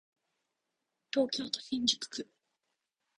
東京都新宿区